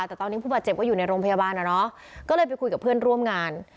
แต่ตอนนี้ผู้บาดเจ็บก็อยู่ในโรงพยาบาลอ่ะเนอะก็เลยไปคุยกับเพื่อนร่วมงาน